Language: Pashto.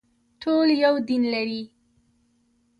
ټول یو دین لري